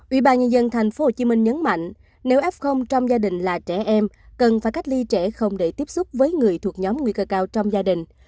ubnd tp hcm nhấn mạnh nếu f trong gia đình là trẻ em cần phải cách ly trẻ không để tiếp xúc với người thuộc nhóm nguy cơ cao trong gia đình